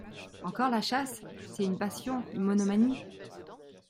Encore la chasse ! c’est une passion, une monomanie !…